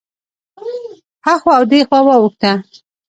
هخوا او دېخوا واوښته.